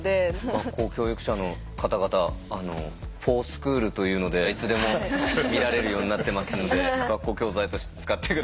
学校教育者の方々「ｆｏｒＳｃｈｏｏｌ」というのでいつでも見られるようになってますんで学校教材として使って下さい。